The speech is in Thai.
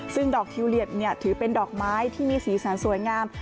ซึ่งดอกทิวเลียบถือเป็นดอกไม้ที่มีสีสันสวยงาม